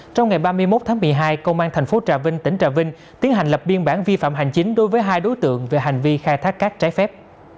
trong ngày ba mươi một tháng một mươi hai công an thành phố trà vinh tỉnh trà vinh tiến hành lập biên bản vi phạm hành chính đối với hai đối tượng về hành vi khai thác cát trái phép